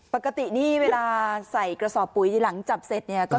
ปกตินี่เวลาใส่กระสอบปุ๋ยหลังจับเสร็จเนี่ยก็